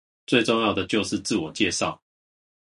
最重要的就是自我介紹